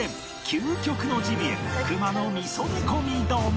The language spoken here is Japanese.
究極のジビエ熊の味噌煮込み丼